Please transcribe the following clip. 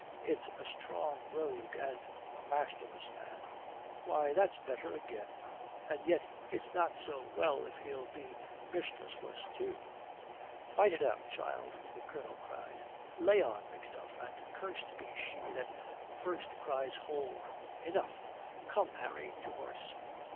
"It's a strong rogue and a masterless man," "Why, that's better again. And yet it's not so well if he'll be mistressless too." "Fight it out, child," the Colonel cried. "'Lay on, Macduff, and curst be she that first cries hold, enough!' Come, Harry, to horse."